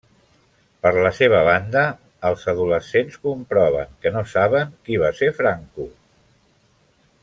Per la seva banda, els adolescents comproven que no saben qui va ser Franco.